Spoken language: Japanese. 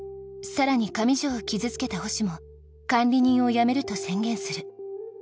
さらに上条を傷つけた星も管理人を辞めると宣言する。